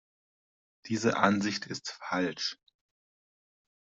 Diese Ansicht ist falsch.